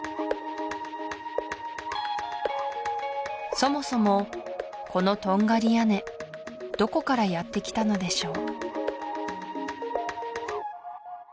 そもそもこのトンガリ屋根どこからやってきたのでしょう